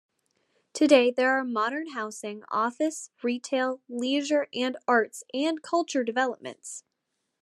Today there are modern housing, office, retail, leisure and arts and culture developments.